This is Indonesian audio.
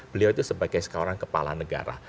beliau itu sebagai sekarang kepala negara